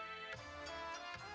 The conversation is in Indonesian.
aku mau ke rumah